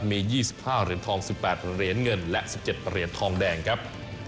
มี๒๕เหรียญทอง๑๘เหรียญเงินและ๑๗เหรียญทองแดงครับ